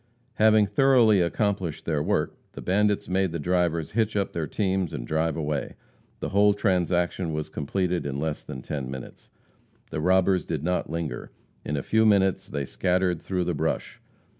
Having thoroughly accomplished their work, the bandits made the drivers hitch up their teams and drive away. The whole transaction was completed in less than ten minutes. The robbers did not linger. In a few minutes they scattered through the brush.